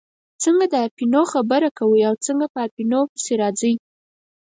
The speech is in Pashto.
څنګه د اپینو خبره کوئ او څنګه په اپینو پسې راځئ.